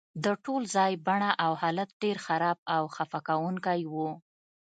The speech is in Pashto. د ټول ځای بڼه او حالت ډیر خراب او خفه کونکی و